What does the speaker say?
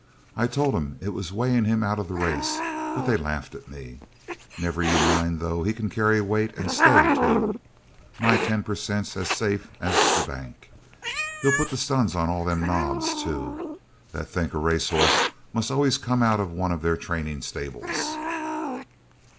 I told 'em it was weighting him out of the race, but they laughed at me. Never you mind, though, he can carry weight and stay too. My ten per cent's as safe as the bank. He'll put the stuns on all them nobs, too, that think a racehorse must always come out of one of their training stables.'